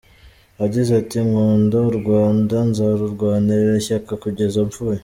Yagize ati " Nkunda U Rwanda Nzarurwanirira Ishyaka Kugeza Mfuye ".